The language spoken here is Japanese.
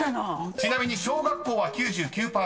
［ちなみに小学校は９９％。